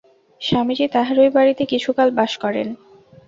স্বামীজী তাঁহারই বাড়ীতে কিছুকাল বাস করেন।